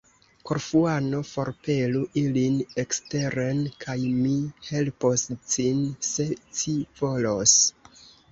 Korfuano, forpelu ilin eksteren, kaj mi helpos cin, se ci volos!